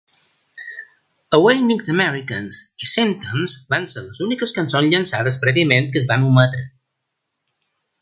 "Awakening Americans" i "Symptoms" van ser les úniques cançons llançades prèviament que es van ometre.